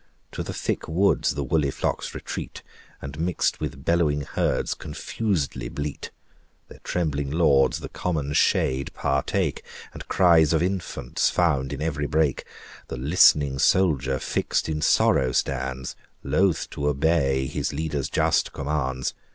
To the thick woods the woolly flocks retreat, And mixed with bellowing herds confusedly bleat. Their trembling lords the common shade partake, And cries of infants found in every brake. The listening soldier fixed in sorrow stands, Loth to obey his leader's just commands.